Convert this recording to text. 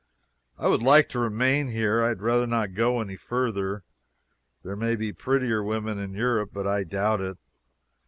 I would like to remain here. I had rather not go any further. There may be prettier women in Europe, but I doubt it.